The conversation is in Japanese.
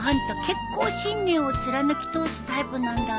結構信念を貫き通すタイプなんだね。